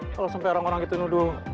kalau sampai orang orang itu nuduh